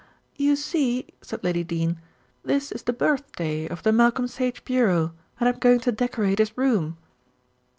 "You see," said Lady Dene, "this is the birthday of the Malcolm Sage Bureau, and I'm going to decorate his room."